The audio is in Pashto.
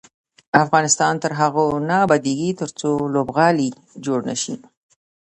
افغانستان تر هغو نه ابادیږي، ترڅو لوبغالي جوړ نشي.